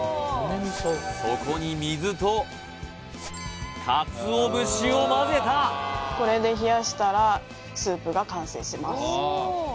そこに水と鰹節を混ぜたこれで冷やしたらスープが完成します